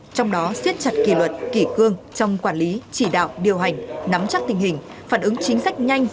trong đó siết chặt kỷ luật kỷ cương trong quản lý chỉ đạo điều hành nắm chắc tình hình phản ứng chính sách nhanh